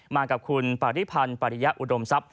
มากับคุณปริพันธ์ปริยะอุดมทรัพย